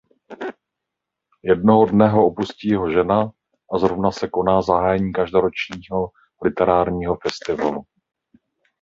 Jednoho dne ho opustí jeho žena a zrovna se koná zahájení každoročního literárního festivalu.